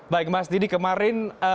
baik mas didi kemarin